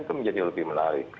itu menjadi lebih menarik